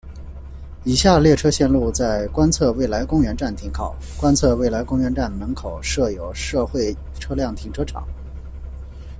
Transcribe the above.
以下列车线路在观测未来公园站停靠：观测未来公园站门口设有社会车辆停车场。